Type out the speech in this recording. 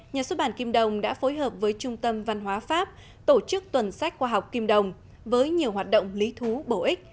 nhà xuất bản kim đồng đã phối hợp với trung tâm văn hóa pháp tổ chức tuần sách khoa học kim đồng với nhiều hoạt động lý thú bổ ích